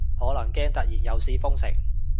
可能驚突然又試封城